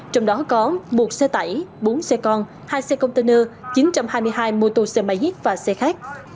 trong đó có một xe tải bốn xe con hai xe container chín trăm hai mươi hai mô tô xe máy và xe khác